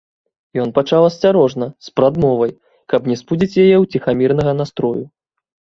Ён пачаў асцярожна, з прадмовай, каб не спудзіць яе ўціхаміранага настрою.